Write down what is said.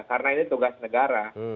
karena ini tugas negara